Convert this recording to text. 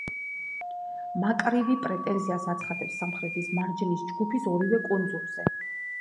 მავრიკი პრეტენზიას აცხადებს სამხრეთის მარჯნის ჯგუფის ორივე კუნძულზე.